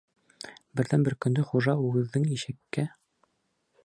Берҙән-бер көндө хужа үгеҙҙең ишәккә: